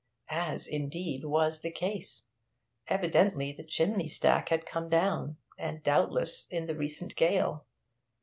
As indeed was the case; evidently the chimney stack had come down, and doubtless in the recent gale.